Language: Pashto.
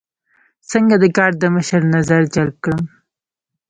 څنګه د ګارد د مشر نظر جلب کړم.